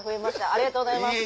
ありがとうございます。